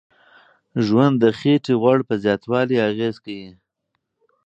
ژوند د خېټې غوړ په زیاتوالي اغیز کوي.